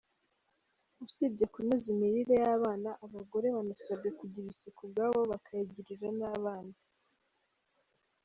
Usibye kunoza imirire y’abana abagore banasabwe kugira isuku ubwabo bakayigirira n’abana.